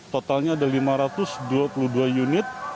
totalnya ada lima ratus dua puluh dua unit